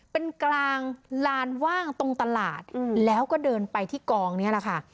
เป็นกลางลานว่างตรงตลาดแล้วก็เดินไปที่กองนี้แหละค่ะ